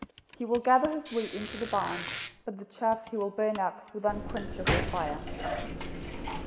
He will gather his wheat into the barn, but the chaff he will burn up with unquenchable fire."